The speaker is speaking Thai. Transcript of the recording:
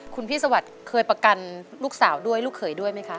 คุณพี่สวัสดิ์เคยประกันลูกสาวด้วยลูกเขยด้วยไหมคะ